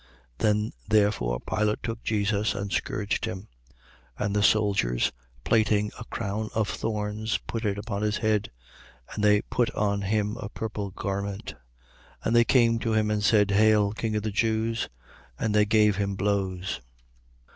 19:1. Then therefore Pilate took Jesus and scourged him. 19:2. And the soldiers platting a crown of thorns, put it upon his head: and they put on him a purple garment. 19:3. And they came to him and said: Hail, king of the Jews. And they gave him blows.